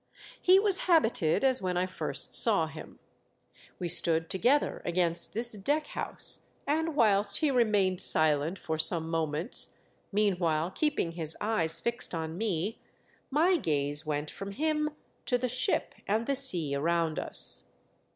He was habited as when I first saw him. We stood together against this deck house, and whilst he remained silent for some moments, meanwhile keeping his eyes fixed on me, my gaze went from him to the ship and the sea around us.